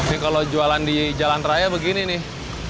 ini kalau jualan di jalan raya begini nih